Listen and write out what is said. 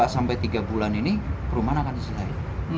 dua sampai tiga bulan ini perumahan akan selesai